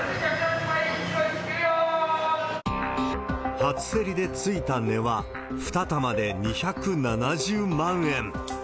初競りでついた値は２玉で２７０万円。